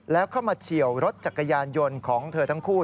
แล้วเข้ามาเฉียวรถจักรยานยนต์ของเธอทั้งคู่